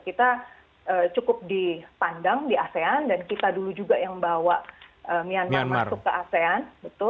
kita cukup dipandang di asean dan kita dulu juga yang bawa myanmar masuk ke asean